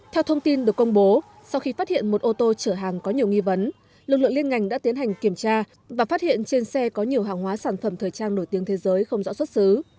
theo thông tin được công bố sau khi phát hiện một ô tô chở hàng có nhiều nghi vấn lực lượng liên ngành đã tiến hành kiểm tra và phát hiện trên xe có nhiều hàng hóa sản phẩm thời trang nổi tiếng thế giới không rõ xuất xứ